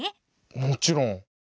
もちろん。